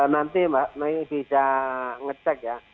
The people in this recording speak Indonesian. nanti bisa ngecek ya